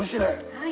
はい。